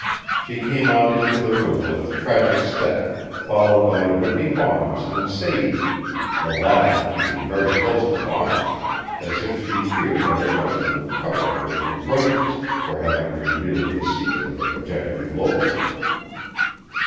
She came on into the room with tragic step, followed by Whitney Barnes and Sadie, the latter keeping very close to Barnes as if she feared that her cousin would cover her with reproaches for having revealed the secret of the projected elopement.